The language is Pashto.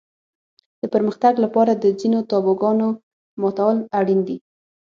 د پرمختګ لپاره د ځینو تابوګانو ماتول اړین دي.